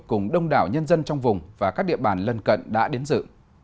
cùng đông đảo nhân dân trong vùng và các địa bàn lân cận đã đến dự